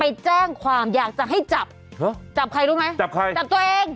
ไปแจ้งความอยากจะให้จับจับใครรู้ไหมจับใครจับตัวเอง